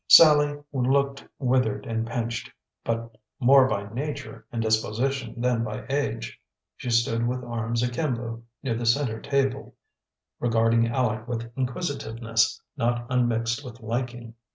Sallie looked withered and pinched, but more by nature and disposition than by age. She stood with arms akimbo near the center table, regarding Aleck with inquisitiveness not unmixed with liking.